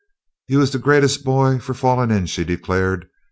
"You is de greatest boy for fallin' in," she declared.